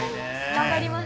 頑張ります。